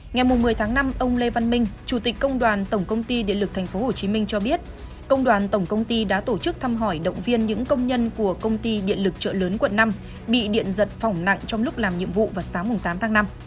ngày một mươi tháng năm ông lê văn minh chủ tịch công đoàn tổng công ty điện lực tp hcm cho biết công đoàn tổng công ty đã tổ chức thăm hỏi động viên những công nhân của công ty điện lực trợ lớn quận năm bị điện giật trong lúc làm nhiệm vụ vào sáng tám tháng năm